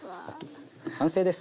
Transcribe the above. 完成です。